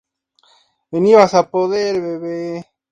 La cola, cuando se mantiene recta, se parece a un peine de doble cara.